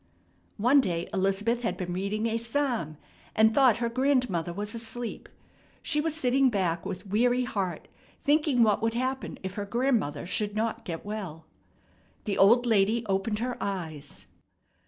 One day Elizabeth had been reading a psalm, and thought her grandmother was asleep. She was sitting back with weary heart, thinking what would happen if her grandmother should not get well. The old lady opened her eyes.